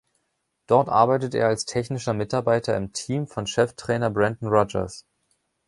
Dort arbeitet er als technischer Mitarbeiter im Team von Cheftrainer Brendan Rodgers.